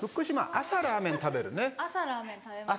朝ラーメン食べます。